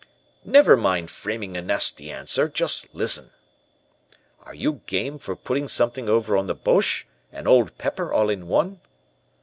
'Never mind framing a nasty answer. Just listen.' "'Are you game for putting something over on the Boches, and Old Pepper all in one?'